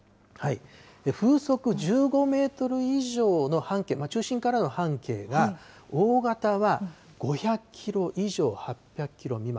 風速１５メートル以上の半径、中心からの半径が、大型は５００キロ以上８００キロ未満。